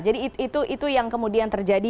jadi itu yang kemudian terjadi